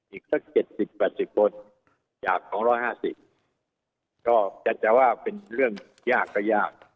อีกสัก๗๐๘๐คนจาก๒๕๐ก็จะว่าเป็นเรื่องยากก็ยาก